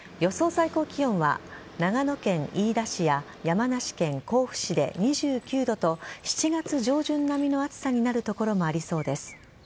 最高気温は長野県飯田市や山梨県甲府市で２９度と７月上旬並みの暑さになる所もありそうです。